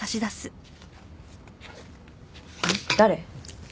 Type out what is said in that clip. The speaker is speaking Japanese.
誰？